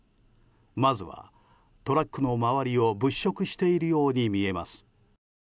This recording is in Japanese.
まずはトラックの周りを物色しているように見えます。